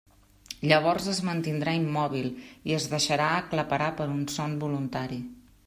Llavors es mantindrà immòbil i es deixarà aclaparar per un son voluntari.